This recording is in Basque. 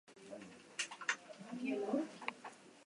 Nahiz bakezaletasunarekin harreman zuzena izan, ez da berez berdina.